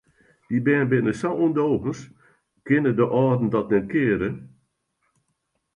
Dy bern binne sa ûndogens, kinne de âlden dat net keare?